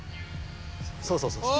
そうそうそうそう。